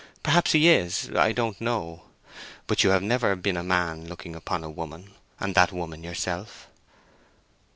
Perhaps he is—I don't know. But you have never been a man looking upon a woman, and that woman yourself."